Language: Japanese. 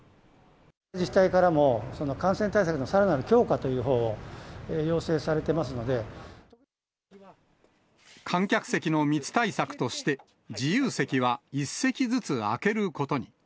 自治体からも感染対策のさらなる強化というほうを要請されて観客席の密対策として、自由席は１席ずつ空けることに。